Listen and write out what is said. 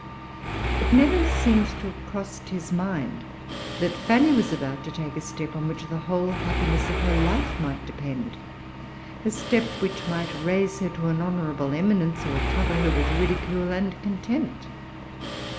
It never seems to have crossed his mind that Fanny was about to take a step on which the whole happiness of her life might depend, a step which might raise her to an honorable eminence, or cover her with ridicule and contempt.